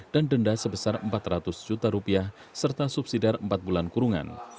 dan denda sebesar empat ratus juta rupiah serta subsidiar empat bulan kurungan